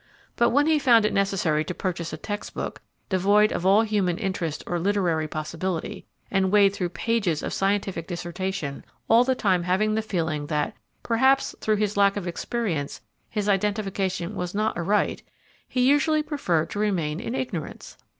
But when he found it necessary to purchase a text book, devoid of all human interest or literary possibility, and wade through pages of scientific dissertation, all the time having the feeling that perhaps through his lack of experience his identification was not aright, he usually preferred to remain in ignorance.